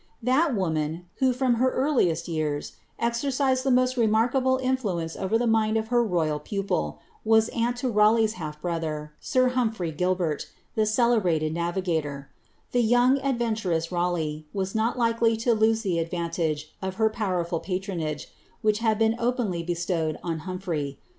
That woman, who, from ber earliest years, exercised the i ntarkable influence over the mind of her royal pupil, was fialeigh's balf brothcr, sir Humphrey Gilbert, the celebrated a Tbe yoang, adveotaroiw Htleifh, wu not Uwlj to laa» ifa* » of her powerful patronage, which had been openlr bestowed o phrey.